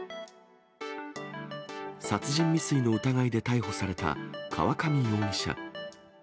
殺人未遂の疑いで逮捕された河上容疑者。